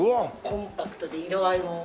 コンパクトで色合いも。